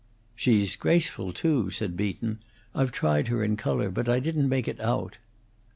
"She's graceful, too," said Beaton. "I've tried her in color; but I didn't make it out."